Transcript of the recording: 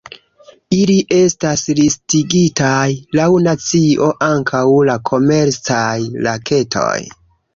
Ili estas listigitaj laŭ nacio, ankaŭ la komercaj raketoj.